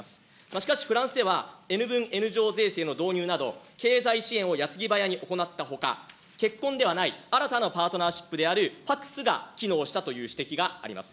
しかしフランスでは、Ｎ分Ｎ乗税制の導入など、経済支援を矢継ぎ早に行ったほか、結婚ではない新たなパートナーシップであるパクスが機能したという指摘があります。